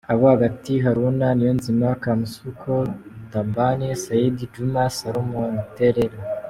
Abo hagati: Haruna Niyonzima, Kamusoko Thabana, Said Djuma, Salum Telela.